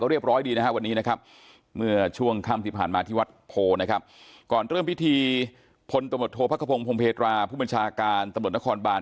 ก่อนเริ่มพิธีพลตมธโภพกภพงภงเพธราผู้บัญชาการตำรวจนครบาน